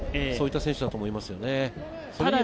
そういった選手だと思いますね。